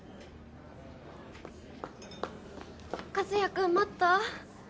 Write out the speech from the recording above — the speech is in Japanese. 和也くん待った？